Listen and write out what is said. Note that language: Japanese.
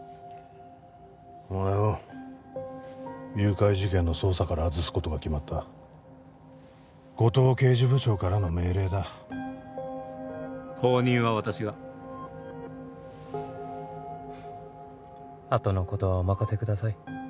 お前を誘拐事件の捜査から外すことが決まった五嶋刑事部長からの命令だ後任は私があとのことはお任せください